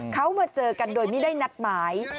เขามาเจอกันโดยไม่ได้นัดหมาย